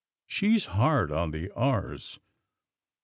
— She's hard on the R's.